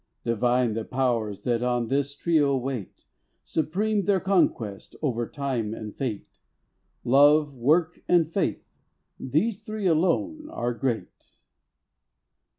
Divine the Powers that on this trio wait. Supreme their conquest, over Time and Fate. Love, Work, and Faith—these three alone are great.